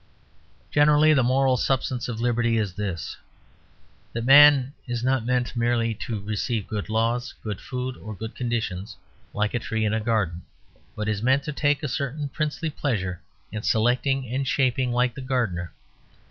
Generally, the moral substance of liberty is this: that man is not meant merely to receive good laws, good food or good conditions, like a tree in a garden, but is meant to take a certain princely pleasure in selecting and shaping like the gardener.